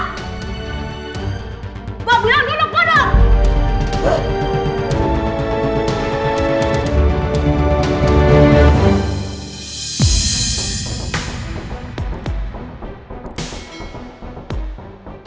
mbak bilang jodoh kodoh